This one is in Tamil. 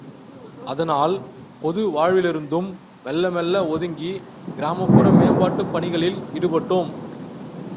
அதனால் பொது வாழ்விலிருந்தும் மெள்ள மெள்ள ஒதுங்கிக் கிராமப்புற மேம்பாட்டு பணிகளில் ஈடுபட்டோம்.